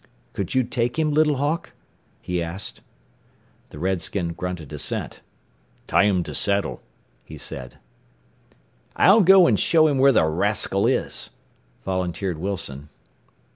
"Could you take him, Little Hawk?" he asked. The redskin grunted assent. "Tieum to saddle," he said. "I'll go and show him where the rascal is," volunteered Wilson.